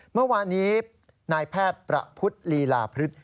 เมื่อวานนี้นายแพทย์ประพุทธลีลาพฤษ